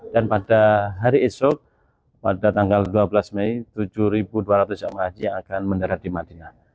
dan pada hari esok pada tanggal dua belas mei tujuh dua ratus jamah haji yang akan mendarat di madinah